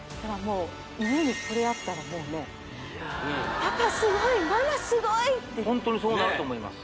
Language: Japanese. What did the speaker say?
家にこれあったらもうね「パパすごい」「ママすごい」ホントにそうなると思います